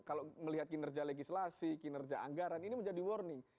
kalau melihat kinerja legislasi kinerja anggaran ini menjadi warning